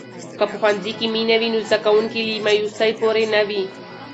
که په ښوونځي کې مینه وي، نو زده کوونکي له مایوسۍ پورې نه وي.